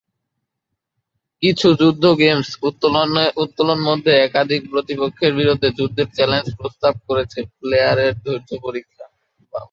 কিছু যুদ্ধ গেমস উত্তোলন মধ্যে একাধিক প্রতিপক্ষের বিরুদ্ধে যুদ্ধের চ্যালেঞ্জ প্রস্তাব করেছে, প্লেয়ার এর ধৈর্য পরীক্ষা।